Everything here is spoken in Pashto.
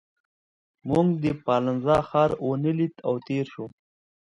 موږ د پالنزا ښار ونه لید او تېر شوو.